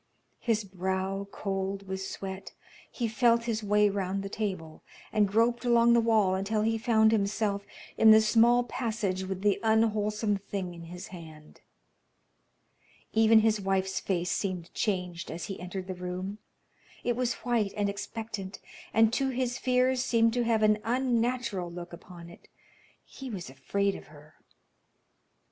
His brow cold with sweat, he felt his way round the table, and groped along the wall until he found himself in the small passage with the unwholesome thing in his hand. Even his wife's face seemed changed as he entered the room. It was white and expectant, and to his fears seemed to have an unnatural look upon it. He was afraid of her.